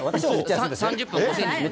３０分５０００円です。